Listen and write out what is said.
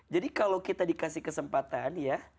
jadi kalau kita dikasih kesempatan ya